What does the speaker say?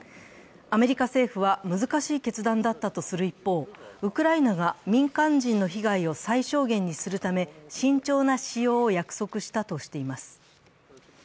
アメリカ政府は難しい決断だったとする一方、ウクライナが民間人の被害を最小限にするため慎重な使用を約束したとしています。